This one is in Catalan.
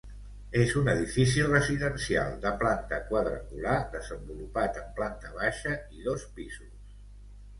És un edifici residencial de planta quadrangular, desenvolupat en planta baixa i dos pisos.